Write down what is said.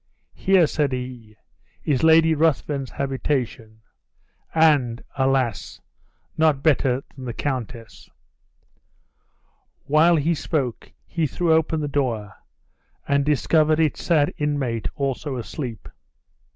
"Here," said he, "is Lady Ruthven's habitation; and alas! not better than the countess'." While he spoke, he threw open the door, and discovered its sad inmate also asleep.